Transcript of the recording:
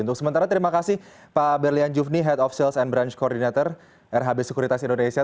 untuk sementara terima kasih pak berlian jufni head of sales and brunch coordinator rhb sekuritas indonesia